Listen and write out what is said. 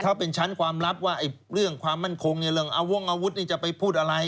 ถ้าเป็นชั้นความลับว่าเรื่องความมั่นคงในเรื่องเอาวงอาวุธนี่จะไปพูดอะไร